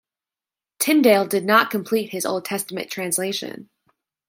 Tyndale did not complete his Old Testament translation.